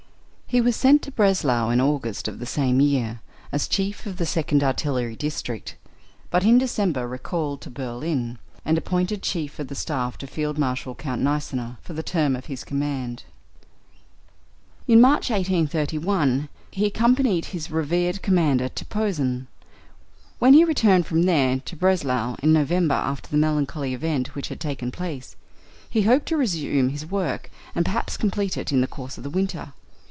He was sent to Breslau in August of the same year, as Chief of the Second Artillery District, but in December recalled to Berlin, and appointed Chief of the Staff to Field Marshal Count Gneisenau (for the term of his command). In March 1831, he accompanied his revered Commander to Posen. When he returned from there to Breslau in November after the melancholy event which had taken place, he hoped to resume his work and perhaps complete it in the course of the winter.